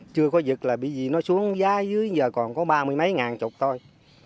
chưa có dựt là bị gì nó xuống giá dưới giờ còn có ba mươi mấy ngàn chục thôi